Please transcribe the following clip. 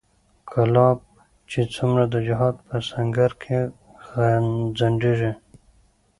کلاب چې څومره د جهاد په سنګر کې ځنډېدی